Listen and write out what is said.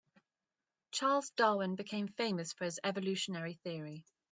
Charles Darwin became famous for his evolutionary theory.